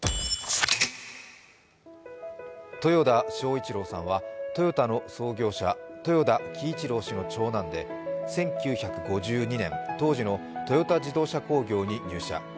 豊田章一郎さんはトヨタの創業者豊田喜一郎氏の長男で１９５２年、当時のトヨタ自動車工業に入社。